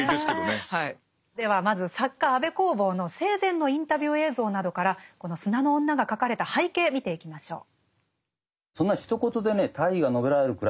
ではまず作家安部公房の生前のインタビュー映像などからこの「砂の女」が書かれた背景見ていきましょう。